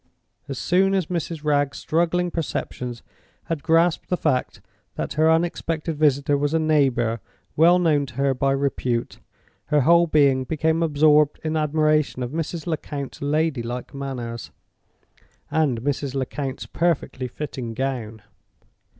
As soon as Mrs. Wragge's struggling perceptions had grasped the fact that her unexpected visitor was a neighbor well known to her by repute, her whole being became absorbed in admiration of Mrs. Lecount's lady like manners, and Mrs. Lecount's perfectly fitting gown!